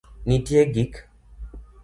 Nitie gik